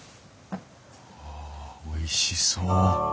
わあおいしそう。